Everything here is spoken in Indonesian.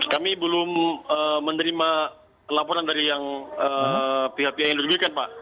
kami belum menerima laporan dari pihak pihak yang dirugikan pak